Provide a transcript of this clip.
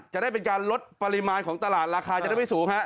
จะได้เป็นการลดปริมาณของตลาดราคาจะได้ไม่สูงฮะ